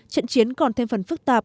trận chiến còn thêm phần phức tạp